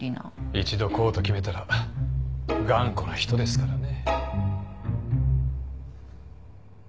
一度こうと決めたら頑固な人ですからね。